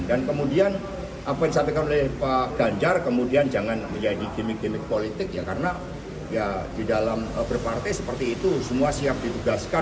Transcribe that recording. dan kemudian apa yang disampaikan oleh pak ganjar kemudian jangan menjadi gimmick gimmick politik ya karena ya di dalam berpartai seperti itu semua siap ditugaskan